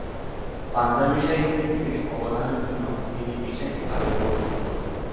পাঞ্জাবী সাহিত্যে বিশেষ অবদানের জন্য তিনি বিশেষভাবে পরিচিত।